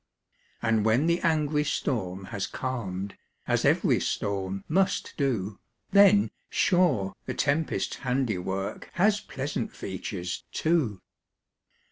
And when the angry storm has calm'd, As ev'ry storm must do, Then, sure, the tempest's handiwork, Has pleasant features, too.